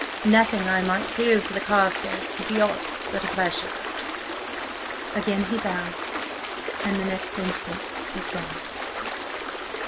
Nothing I might do for the Carstares could be aught but a pleasure." Again he bowed, and the next instant was gone.